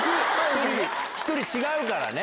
１人違うからね。